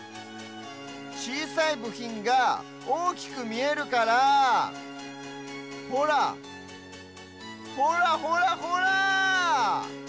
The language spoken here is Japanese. ちいさいぶひんがおおきくみえるからほらほらほらほら！